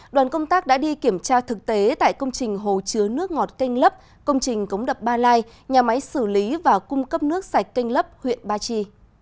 đoàn công tác đã đi kiểm tra thực tế tại công trình hồ chứa nước ngọt canh lấp công trình cống đập ba lai nhà máy xử lý và cung cấp nước sạch canh lấp huyện ba chi